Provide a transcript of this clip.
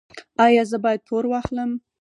ایا زه باید پور واخلم؟